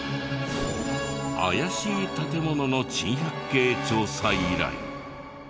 怪しい建物の珍百景調査依頼。